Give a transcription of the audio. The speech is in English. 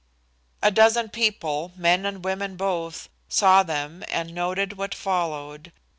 A dozen people, men and women both, saw them and noted what followed.